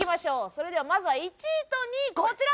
それではまずは１位と２位こちら！